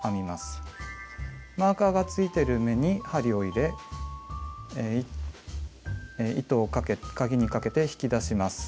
マーカーがついてる目に針を入れ糸をかぎにかけて引き出します。